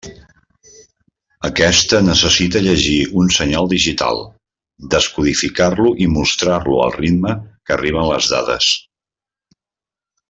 Aquesta necessita llegir un senyal digital, descodificar-lo i mostrar-lo al ritme que arriben les dades.